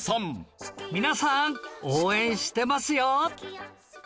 皆さん応援してますよ